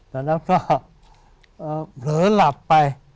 แต่แล้วก็เผลอหลับไป